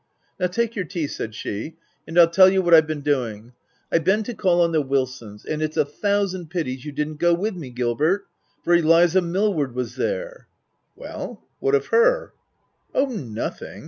"Now take your tea/' said she; "and I'll tell you what Tve been doing. I've been to call on the Wilsons ; and it's a thousand pities you didn't go with me, Gilbert, for Eliza Mill ward was there P' " Well ! what of her?" "Oh nothing!